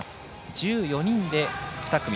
１４人で２組。